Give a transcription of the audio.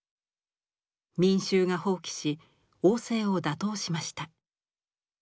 民衆が蜂起し王政を打倒しました。